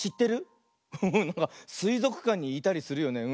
すいぞくかんにいたりするよね。